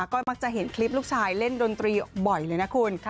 ก็มักจะเห็นคลิปลูกชายเล่นดนตรีบ่อยเลยนะคุณ